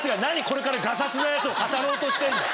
これからガサツなヤツを語ろうとしてんだ。